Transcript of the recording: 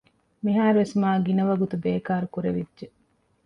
މިހާރުވެސް މާގިނަ ވަގުތު ބޭކާރު ކުރެވިއްޖެ